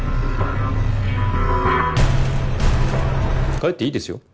帰っていいですよ。